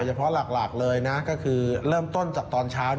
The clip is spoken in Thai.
เฉพาะหลักเลยนะก็คือเริ่มต้นจากตอนเช้า